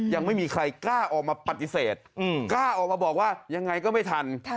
ยังไม่มีใครกล้าออกมาปฏิเสธกล้าออกมาบอกว่ายังไงก็ไม่ทัน